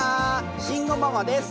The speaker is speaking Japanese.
慎吾ママです。